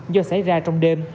do xảy ra trong đêm